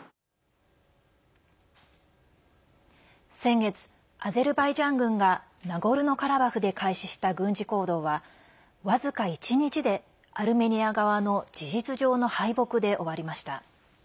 先月アゼルバイジャン軍がナゴルノカラバフで開始した軍事行動は、僅か１日でアルメニア側の事実上の敗北で終わりました。